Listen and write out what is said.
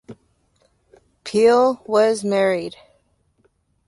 Peal was married.